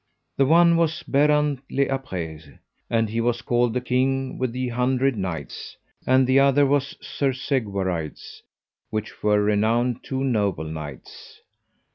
The one was Berrant le Apres, and he was called the King with the Hundred Knights; and the other was Sir Segwarides, which were renowned two noble knights.